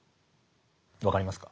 分かりますか。